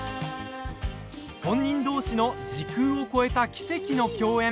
本人同士の時空を超えた奇跡の共演。